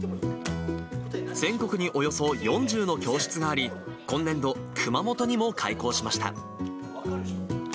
全国におよそ４０の教室があり、今年度、熊本にも開校しました。